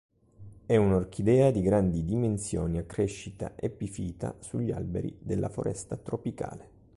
È un'orchidea di grandi dimensioni a crescita epifita, sugli alberi della foresta tropicale.